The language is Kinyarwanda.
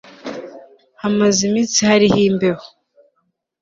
hamaze iminsi hariho imbewho